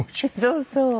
そうそう。